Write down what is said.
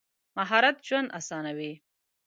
مهارت ژوند اسانوي.